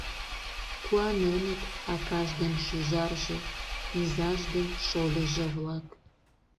— куаненыт акаж ден шӱжарже, изаж ден шольыжо-влак.